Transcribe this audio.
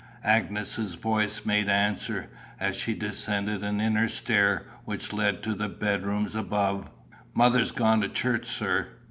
Agnes's voice made answer, as she descended an inner stair which led to the bedrooms above "Mother's gone to church, sir."